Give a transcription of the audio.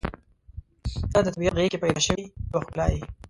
• ته د طبیعت غېږ کې پیدا شوې یوه ښکلا یې.